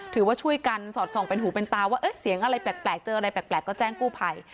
ถือว่าช่วยกันสอดส่องเป็นหูเป็นตาว่าเสียงอะไรแปลกเจออะไรแปลกก็แจ้งกู้ภัย